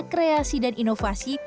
poin ini sudah terminasi